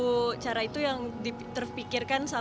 untuk menjadikan indonesia yang lebih damai dan lebih baik ke depannya